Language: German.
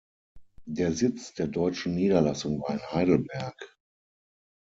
Der Sitz der deutschen Niederlassung war in Heidelberg.